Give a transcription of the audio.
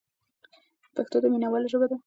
پښتو د مینوالو ژبه ده.